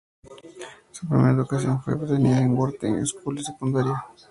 Su primera educación fue obtenida en Worthing High School secundaria para los muchachos.